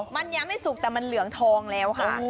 มันยังไม่สุกแต่มันเหลืองทองแล้วค่ะ